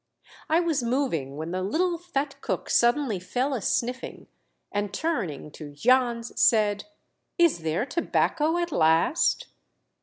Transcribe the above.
I was moving, when the little, fat cook suddenly fell a sniffing, and turning to Jans, said, " Is there tobacco at last